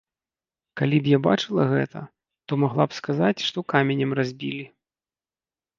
Калі б я бачыла гэта, то магла б сказаць, што каменем разбілі.